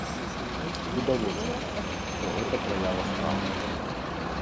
Відавочна, што гэта праява страху.